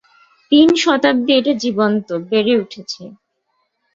তিন শতাব্দী এটা জীবন্ত, বেড়ে উঠেছে।